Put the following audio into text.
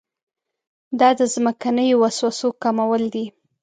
دا د ځمکنیو وسوسو کمول دي.